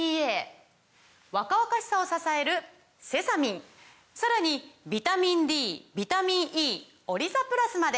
若々しさを支えるセサミンさらにビタミンＤビタミンＥオリザプラスまで！